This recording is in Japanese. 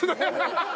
ハハハハ！